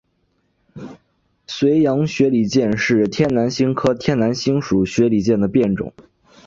绥阳雪里见是天南星科天南星属雪里见的变种。